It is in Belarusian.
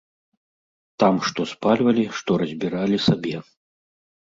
Там што спальвалі, што разбіралі сабе.